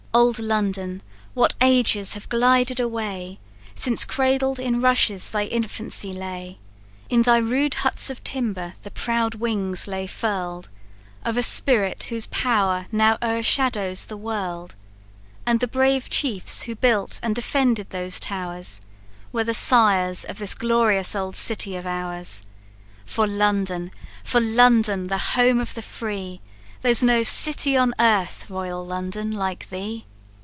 "Old London! what ages have glided away, Since cradled in rushes thy infancy lay! In thy rude huts of timber the proud wings lay furl'd Of a spirit whose power now o'ershadows the world, And the brave chiefs who built and defended those towers, Were the sires of this glorious old city of ours. For London! for London! the home of the free, There's no city on earth, royal London, like thee!